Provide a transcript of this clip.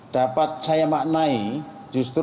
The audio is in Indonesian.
dapat saya maknai justru